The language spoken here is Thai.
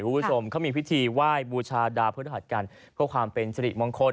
คุณผู้ชมเขามีพิธีไหว้บูชาดาวพฤหัสกันเพื่อความเป็นสิริมงคล